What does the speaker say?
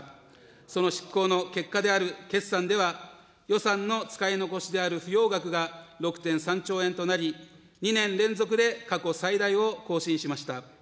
その執行の結果である決算では、予算の使い残しである不用額が６．３兆円となり、２年連続で過去最大を更新しました。